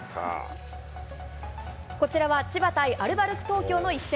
こちらは千葉対アルバルク東京の一戦。